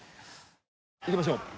いきましょう。